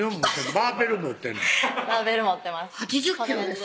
バーベル持ってます